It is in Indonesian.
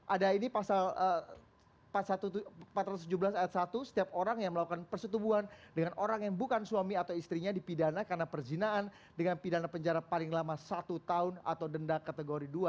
ada ini pasal empat ratus tujuh belas ayat satu setiap orang yang melakukan persetubuhan dengan orang yang bukan suami atau istrinya dipidana karena perzinaan dengan pidana penjara paling lama satu tahun atau denda kategori dua